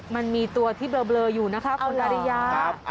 มันมีตัวที่เบลออยู่นะคะคุณนาริยา